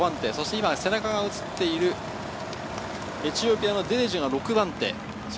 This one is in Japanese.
今背中が映っているエチオピアのデレッジェが６番手。